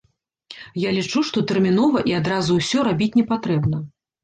Я лічу, што тэрмінова і адразу ўсё рабіць непатрэбна.